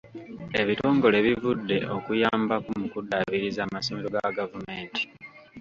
Ebitongole bivudde okuyambako mu kuddaabiriza amasomero ga gavumenti.